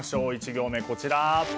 １行目はこちら。